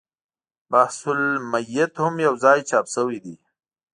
بحث المیت هم یو ځای چاپ شوی دی.